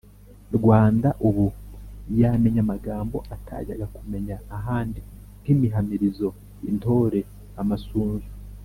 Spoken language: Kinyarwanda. rwanda ubu, yamenya amagambo atajyaga kumenya ahandi: nk’imihamirizo, intore, amasunzu,